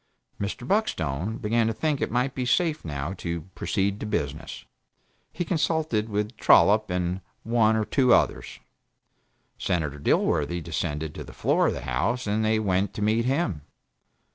Mr. Buckstone began to think it might be safe, now, to "proceed to business." He consulted with Trollop and one or two others. Senator Dilworthy descended to the floor of the House and they went to meet him.